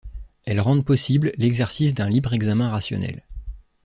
Elles rendent possible l'exercice d'un libre examen rationnel.